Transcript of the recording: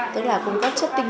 tức là cung cấp chất lượng